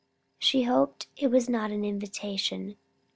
She hoped it was not an invitation.